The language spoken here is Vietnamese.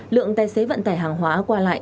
lượng tài xế vận tải hàng hóa qua lại